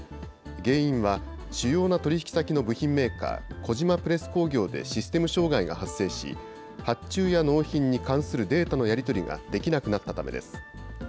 原因は、主要な取り引き先の部品メーカー、小島プレス工業でシステム障害が発生し、発注や納品に関するデータのやり取りができなくなったためです。